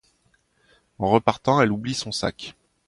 En repartant, elle oublie son sac.